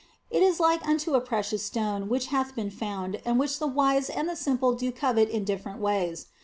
It is like unto a precious stone which hath been found and which the wise and the simple do covet in different ways.